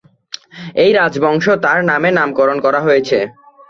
এই রাজবংশ তার নামে নামকরণ করা হয়েছে।